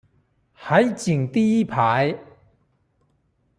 海景第一排